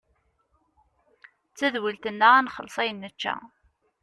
D tadwilt-nneɣ ad nxelles ayen nečča.